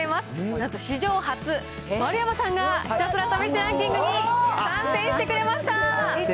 なんと史上初、丸山さんがひたすら試してランキングに参戦してくれました。